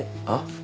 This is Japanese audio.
あっ？